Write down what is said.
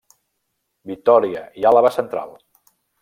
Vitòria i Àlaba Central.